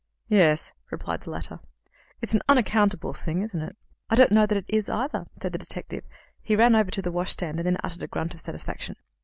"Yes," replied the latter; "it's an unaccountable thing, isn't it?" "I don't know that it is, either," said the detective, he ran over to the washstand, and then uttered a grunt of satisfaction.